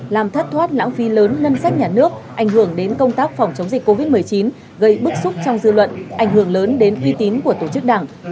làm thất thoát lãng phí lớn ngân sách nhà nước ảnh hưởng đến công tác phòng chống dịch covid một mươi chín gây bức xúc trong dư luận ảnh hưởng lớn đến uy tín của tổ chức đảng